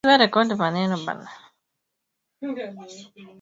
Mhandisi amesema kwamba hatua hiyo imechochewa na ongezeko la vifo